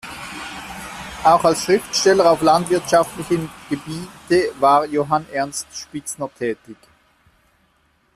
Auch als Schriftsteller auf landwirtschaftlichem Gebiete war Johann Ernst Spitzner tätig.